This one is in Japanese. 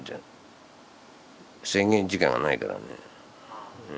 制限時間がないからね。